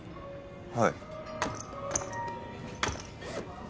はい